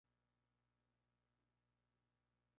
En No Mercy, Nikki derrotó a Carmella.